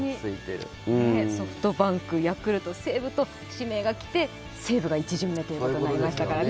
ソフトバンク、ヤクルト、西武と指名がきて、西武が１巡目ということになりましたからね。